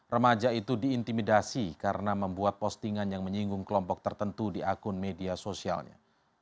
remaja itu diintimidasi karena membuat postingan yang menyinggung kelompok tertentu di akun media sosialnya